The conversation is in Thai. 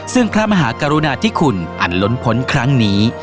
ซึ่งพระมหากรุณาธิคุณอันล้นพ้นครั้งนี้